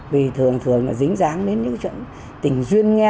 vì thường thường nó dính dáng đến những chuyện tình duyên nghe